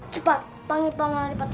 cepat panggil panggilan adipati